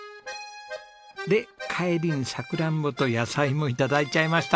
で帰りにサクランボと野菜も頂いちゃいました。